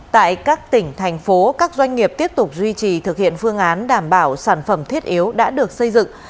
tại các tỉnh thành phố các doanh nghiệp tiếp tục duy trì thực hiện phương án đảm bảo sản phẩm thiết yếu đã được xây dựng